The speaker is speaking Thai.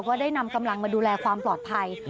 ได้นำกำลังมาดูแลความปลอดภัย